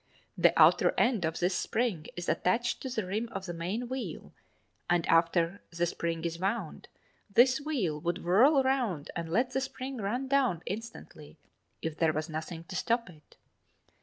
The outer end of this spring is attached to the rim of the main wheel (1) and after the spring is wound this wheel would whirl round and let the spring run down instantly if there was nothing to stop it.